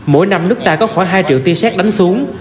mỗi năm nước ta có khoảng hai triệu tiêu sát đánh xuống